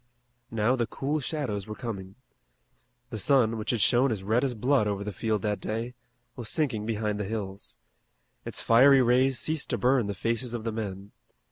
Now the cool shadows were coming. The sun, which had shown as red as blood over the field that day, was sinking behind the hills. Its fiery rays ceased to burn the faces of the men.